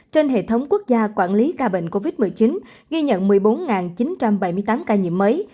trên hệ thống quốc gia quản lý ca bệnh covid một mươi chín ghi nhận một mươi bốn chín trăm bảy mươi tám ca nhiễm mới